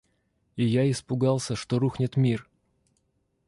И я испугался, что рухнет мир.